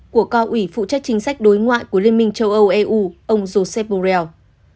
của cao ủy phụ trách chính sách đối ngoại của liên minh châu âu eu ông joseph borrell